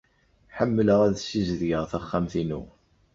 Ḥemmleɣ ad ssizedgeɣ taxxamt-inu.